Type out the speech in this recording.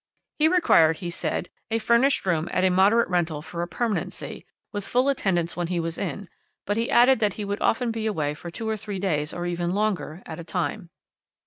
"'He required, he said, a furnished room at a moderate rental for a permanency, with full attendance when he was in, but he added that he would often be away for two or three days, or even longer, at a time.